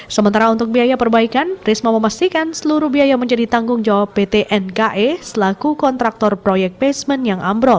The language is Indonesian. sementara untuk biaya perbaikan risma memastikan seluruh biaya menjadi tanggung jawab pt nke selaku kontraktor proyek basement yang ambrol